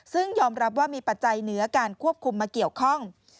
ซึ่งยอมรับว่ามีปัจจัยเหนือการควบคุมมาเกี่ยวข้อง